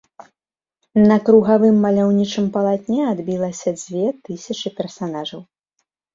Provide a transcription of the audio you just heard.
На кругавым маляўнічым палатне адбілася дзве тысячы персанажаў.